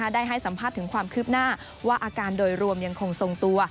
ได้ให้สัมภาษณ์ถึงความคืบหน้าว่าอาการโดยรวมยังคงทรงตัว